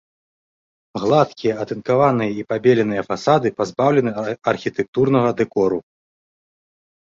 Гладкія атынкаваныя і пабеленыя фасады пазбаўлены архітэктурнага дэкору.